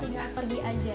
tinggal pergi saja